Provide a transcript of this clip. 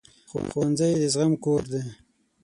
ښوونځی د زغم کور دی